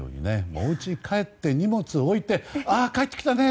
おうちに帰って荷物を置いてああ、帰ってきたね！